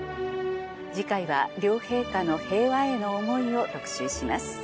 次回は両陛下の平和への思いを特集します。